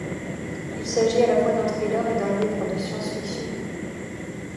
Il s'agit à la fois d'un thriller et d'un livre de science-fiction.